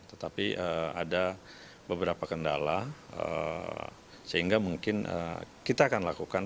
tetapi ada beberapa kendala sehingga mungkin kita akan lakukan